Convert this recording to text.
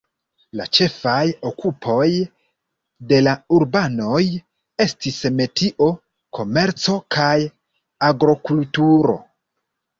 La ĉefaj okupoj de la urbanoj estis metio, komerco kaj agrokulturo.